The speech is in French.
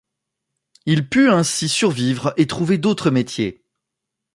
Il put ainsi survivre et trouver d'autres métiers.